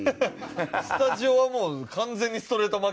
スタジオはもう完全にストレート負け。